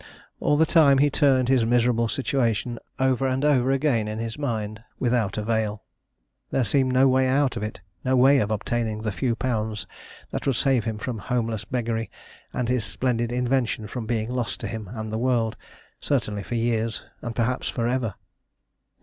All the time he turned his miserable situation over and over again in his mind without avail. There seemed no way out of it; no way of obtaining the few pounds that would save him from homeless beggary and his splendid invention from being lost to him and the world, certainly for years, and perhaps for ever.